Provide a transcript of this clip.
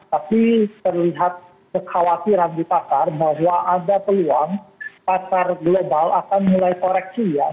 tapi terlihat kekhawatiran di pasar bahwa ada peluang pasar global akan mulai koreksi ya